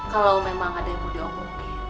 kalau memang ada yang mau diomongin